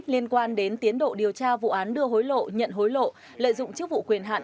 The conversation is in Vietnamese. liên quan đến tiến độ điều tra vụ án đưa hối lộ nhận hối lộ lợi dụng chức vụ quyền hạn